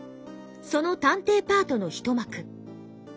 その「探偵」パートの一幕。